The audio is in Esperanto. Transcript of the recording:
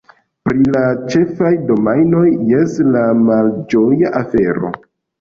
Pri la ĉefaj domajnoj, jes, malĝoja afero.